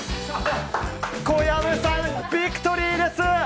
小籔さん、ビクトリーです！